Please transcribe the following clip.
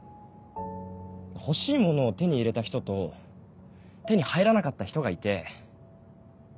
欲しいものを手に入れた人と手に入らなかった人がいて。